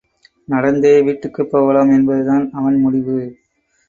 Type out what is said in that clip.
நடந்தே வீட்டுக்குப் போகலாம் என்பது தான் அவன் முடிவு.